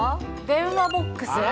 電話ボックス？